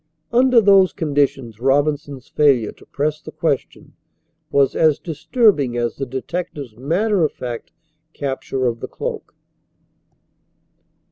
Under those conditions Robinson's failure to press the question was as disturbing as the detective's matter of fact capture of the cloak.